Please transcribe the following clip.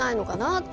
って